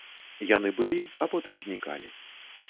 Яны былі, а потым знікалі.